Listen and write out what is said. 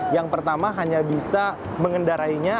yang pertama hanya bisa mengendarainya